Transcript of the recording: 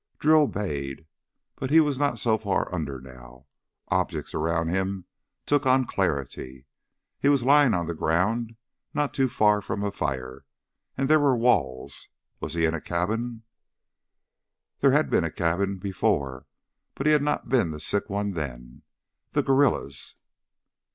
Drew obeyed. But he was not so far under, now. Objects around him took on clarity. He was lying on the ground, not too far from a fire, and there were walls. Was he in a cabin? There had been a cabin before, but he had not been the sick one then. The guerrillas!